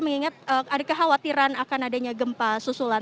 mengingat ada kekhawatiran akan adanya gempa susulan